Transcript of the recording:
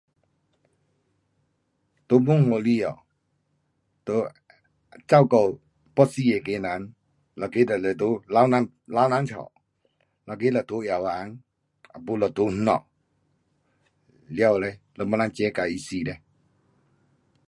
在我门里下，在，照顾要死那个人，一个就是在老人，老人家，一个就在药房，要不就在那家，完嘞，没谁人 jaga 他死嘞？